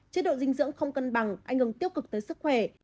chế độ dinh dưỡng không cân bằng ảnh hưởng tiêu cực tới sức khỏe